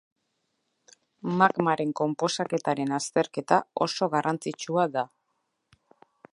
Magmaren konposaketaren azterketa oso garrantzitsua da.